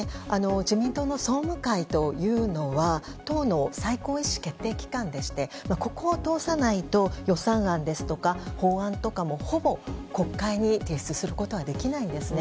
自民党の総務会というのは党の最高意思決定機関でしてここを通さないと予算案ですとか法案とかもほぼ国会に提出することはできないんですね。